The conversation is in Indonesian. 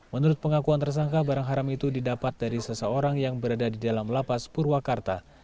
menurut pengakuan tersangka barang haram itu didapat dari seseorang yang berada di dalam lapas purwakarta